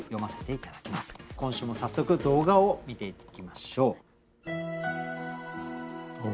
今週も早速動画を観ていきましょう。